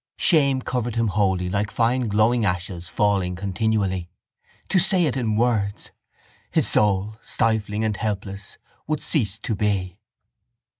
Shame covered him wholly like fine glowing ashes falling continually. To say it in words! His soul, stifling and helpless, would cease to be.